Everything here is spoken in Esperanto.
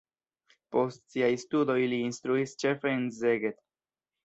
Post siaj studoj li instruis ĉefe en Szeged.